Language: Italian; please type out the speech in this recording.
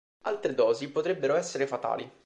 Alte dosi potrebbero essere fatali.